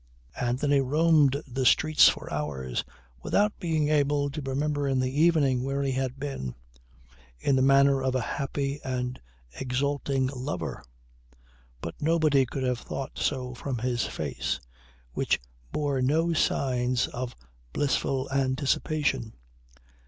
Anthony roamed the streets for hours without being able to remember in the evening where he had been in the manner of a happy and exulting lover. But nobody could have thought so from his face, which bore no signs of blissful anticipation.